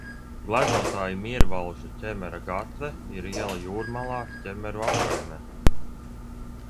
Gleznotāja Miervalža Ķemera gatve ir iela Jūrmalā, Ķemeru apkaimē.